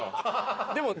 でも。